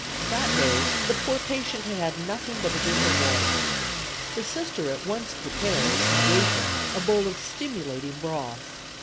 That day the poor patient had had nothing but a drink of water. The Sister at once prepared and gave him a bowl of stimulating broth.